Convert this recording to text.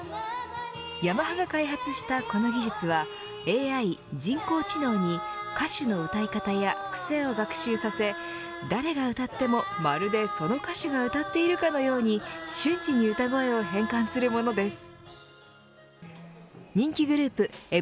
ヤマハが開発した、この技術はＡＩ人工知能に歌手の歌い方や癖を学習させ誰が歌ってもまるでその歌手が歌っているかのように瞬時に歌声を変換するものです。